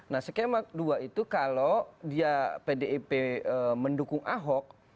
nah skema dua itu kalau dia pdip mendukung ahok